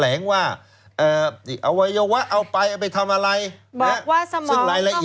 แถลงว่าเอ่อเอาไปเอาไปทำอะไรบอกว่าสมองต้องเอาไปนู่นนี่